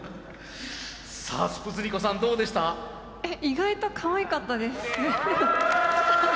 意外とかわいかったです。